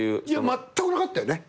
まったくなかったよね